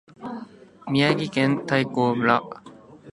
宮城県大衡村